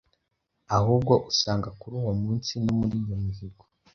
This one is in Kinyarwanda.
Ahubwo usanga kuri uwo munsi no muri iyo mihango